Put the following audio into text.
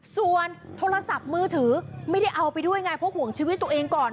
ส่วนโทรศัพท์มือถือไม่ได้เอาไปด้วยไงเพราะห่วงชีวิตตัวเองก่อน